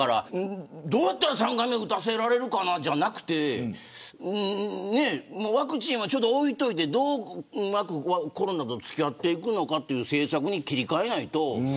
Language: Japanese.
どうやったら３回目打たせられるかじゃなくてワクチンはちょっと置いといてうまくコロナと付き合っていくのかという政策に切り替えないと。